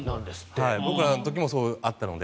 僕らの時もあったので。